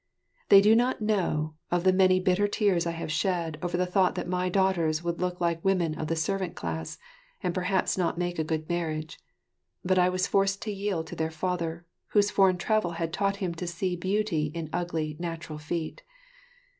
They do not know of the many bitter tears I have shed over the thought that my daughters would look like women of the servant class and perhaps not make a good marriage; but I was forced to yield to their father, whose foreign travel had taught him to see beauty in ugly, natural feet.